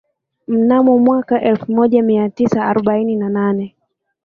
Mnamo mwaka elfu moja mia tisa arobaini na nane